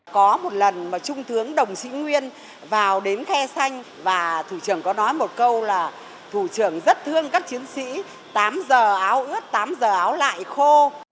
có một lần mà trung tướng đồng sĩ nguyên vào đến khe xanh và thủ trưởng có nói một câu là thủ trưởng rất thương các chiến sĩ tám giờ áo ướt tám giờ áo lại khô